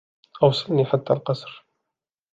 أوصلني حتى القصر.